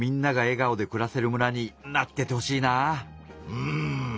うん。